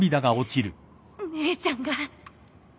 姉ちゃんが。